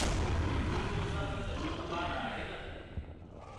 د حقوقو زده کړه د ژوند لپاره اړینه ده.